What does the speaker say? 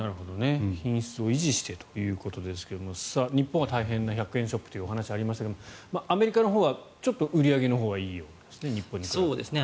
品質を維持してということですが日本は大変な１００円ショップというお話がありますがアメリカのほうは売り上げのほうはいいようですね日本と比べると。